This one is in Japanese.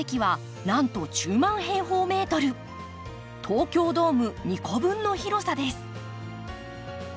東京ドーム２個分の広さです。